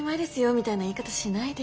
みたいな言い方しないで。